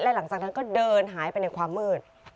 หลังจากนั้นก็เดินหายไปในความมืด